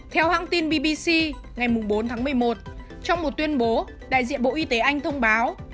theo hãng tin bbc ngày bốn tháng một mươi một trong một tuyên bố đại diện bộ y tế anh thông báo